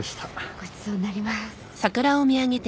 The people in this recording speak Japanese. ごちそうになります。